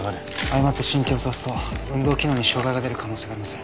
誤って神経を刺すと運動機能に障害が出る可能性があります。